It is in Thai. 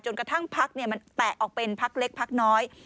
จนกระทั่งภักดิ์มันแตกออกเป็นภักดิ์เล็กภักดิ์น้อย